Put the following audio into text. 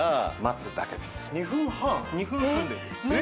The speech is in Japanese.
２分半でいいです。